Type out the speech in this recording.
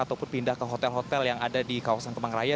ataupun pindah ke hotel hotel yang ada di kawasan kemang raya